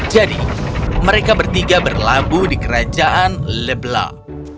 jadi mereka bertiga berlabuh di kerajaan leblanc